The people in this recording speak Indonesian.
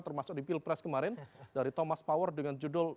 termasuk di pilpres kemarin dari thomas power dengan judul